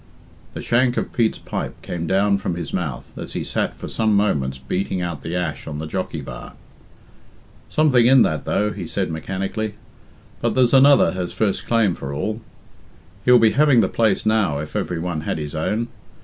The shank of Pete's pipe came down from his mouth as he sat for some moments beating out the ash on the jockey bar. "Something in that, though," he said mechanically. "But there's another has first claim for all. He'd be having the place now if every one had his own.